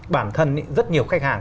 bản thân rất nhiều khách hàng